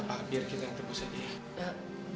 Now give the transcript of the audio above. pak biar kita tunggu sedikit ya